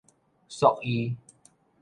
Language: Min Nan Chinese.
束衣